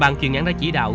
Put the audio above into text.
bạn kiều nhãn đã chỉ đạo